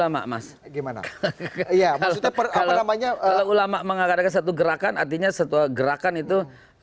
mas gimana emang namanya ola mengadakan satu gerakan artinya setelah gerakan itu